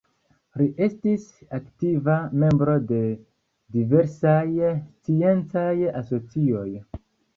Li estis aktiva membro de diversaj sciencaj asocioj.